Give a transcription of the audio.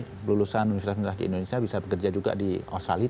jadi engineer lulusan universitas universitas di indonesia bisa bekerja juga di australia